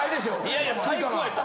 ・いやいや最高やった！